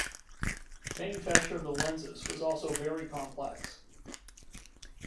Manufacture of the lenses was also very complex.